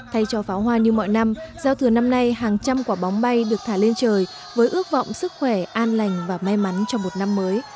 thay cho pháo hoa như mọi năm giao thừa năm nay hàng trăm quả bóng bay được thả lên trời với ước vọng sức khỏe an lành và may mắn cho một năm mới